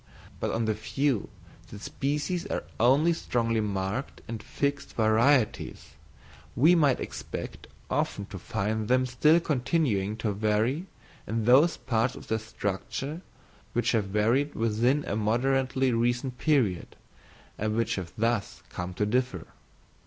But on the view that species are only strongly marked and fixed varieties, we might expect often to find them still continuing to vary in those parts of their structure which have varied within a moderately recent period, and which have thus come to differ.